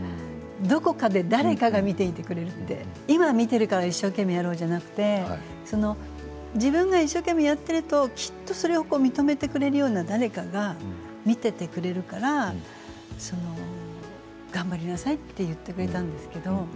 どこかで誰かが見ていてくれる今見ているから一生懸命やろうじゃなくて自分が一生懸命やっているときっとそれを認めてくれるような誰かが見てくれているから頑張りなさいって言ってくれたんですけれど。